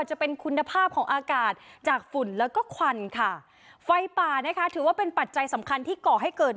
จะเป็นคุณภาพของอากาศจากฝุ่นแล้วก็ควันค่ะไฟป่านะคะถือว่าเป็นปัจจัยสำคัญที่ก่อให้เกิด